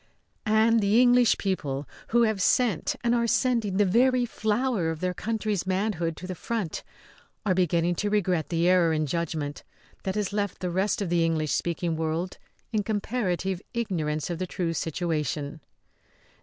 And the English people, who have sent and are sending the very flower of their country's manhood to the front, are beginning to regret the error in judgment that has left the rest of the English speaking world in comparative ignorance of the true situation.